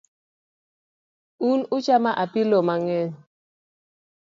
Un uchamo apilo mangeny